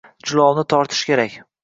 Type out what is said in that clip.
Jilovni tortish kerak